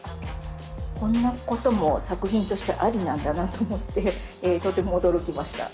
こんなことも作品としてありなんだなと思ってとても驚きました。